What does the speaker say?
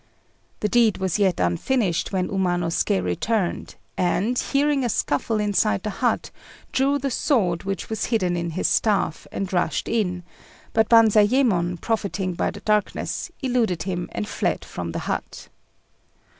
The deed was yet unfinished when Umanosuké returned, and, hearing a scuffle inside the hut, drew the sword which was hidden in his staff and rushed in; but Banzayémon, profiting by the darkness, eluded him and fled from the hut.